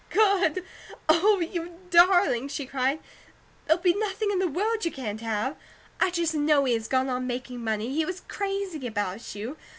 Good! Oh, you darling!" she cried. "There'll be nothing in the world you can't have! I just know he had gone on making money; he was crazy about you.